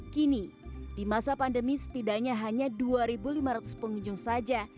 kini di masa pandemi setidaknya hanya dua lima ratus pengunjung saja